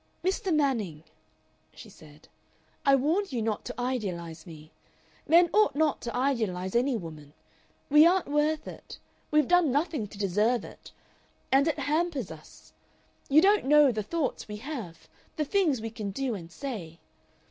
"Mr. Manning," she said, "I warned you not to idealize me. Men ought not to idealize any woman. We aren't worth it. We've done nothing to deserve it. And it hampers us. You don't know the thoughts we have; the things we can do and say.